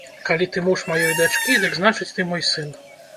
Калі ты муж маёй дачкі, дык, значыць, ты мой сын.